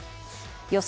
予想